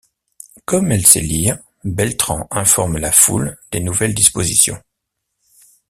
Comme elle sait lire, Beltrán informe la foule des nouvelles dispositions.